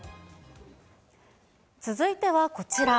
続いてはこちら。